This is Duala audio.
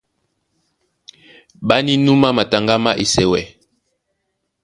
Ɓá nínúmá mataŋgá má Esɛwɛ.